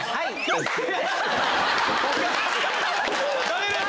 ダメです！